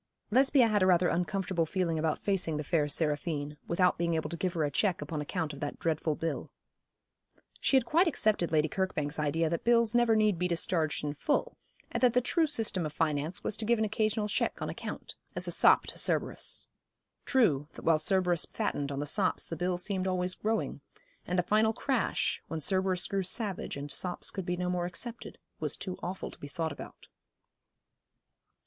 Lesbia had a rather uncomfortable feeling about facing the fair Seraphine, without being able to give her a cheque upon account of that dreadful bill. She had quite accepted Lady Kirkbank's idea that bills never need be discharged in full, and that the true system of finance was to give an occasional cheque on account, as a sop to Cerberus. True, that while Cerberus fattened on the sops the bill seemed always growing; and the final crash, when Cerberus grew savage and sops could be no more accepted, was too awful to be thought about.